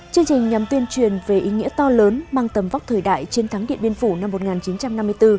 chương trình nhằm tuyên truyền về ý nghĩa to lớn mang tầm vóc thời đại chiến thắng điện biên phủ năm một nghìn chín trăm năm mươi bốn